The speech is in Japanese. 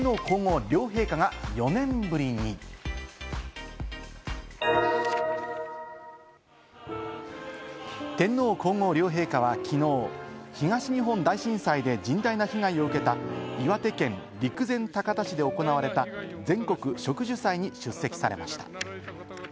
８位はこちら、天皇皇后両陛下が４年ぶりに天皇皇后両陛下はきのう、東日本大震災で甚大な被害を受けた岩手県陸前高田市で行われた全国植樹祭に出席されました。